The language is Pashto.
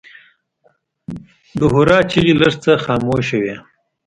د هورا چیغې لږ څه خاموشه وې.